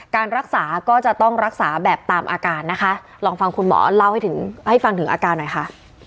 การรักษาก็จะต้องรักษาแบบตามอาการนะคะลองฟังคุณหมอเล่าให้ถึงให้ฟังถึงอาการหน่อยค่ะ